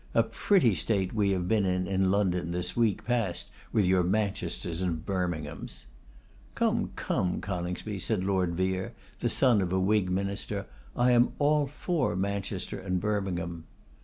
A pretty state we have been in in London this week past with your Manchesters and Birminghams!' 'Come, come, Coningsby,' said Lord Vere, the son of a Whig minister; 'I am all for Manchester and Birmingham.